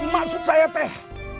maksud saya teh